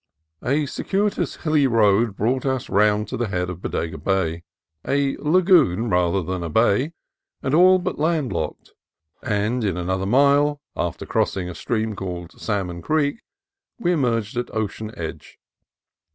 A circuitous hilly road brought us round to the head of Bodega Bay, — a lagoon rather than a bay, and all but landlocked; and in another mile, after crossing a stream called Salmon Creek, we emerged at ocean edge.